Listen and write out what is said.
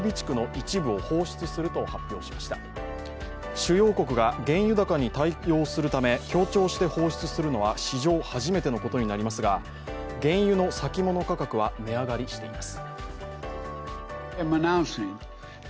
主要国が原油高に対応するため協調して放出するのは史上初めてのことになりますが原油の先物価格は値上がりしています。